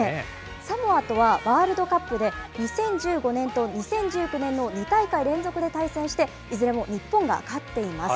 サモアとはワールドカップで、２０１５年と２０１９年の２大会連続で対戦して、いずれも日本が勝っています。